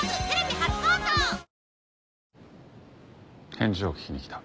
返事を聞きに来た。